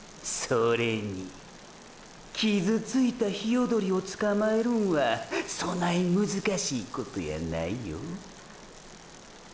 それに傷ついたヒヨドリを捕まえるんはそない難しいことやないよ